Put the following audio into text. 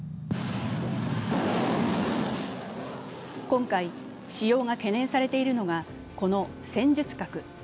今回、使用が懸念されているのが、この戦術核。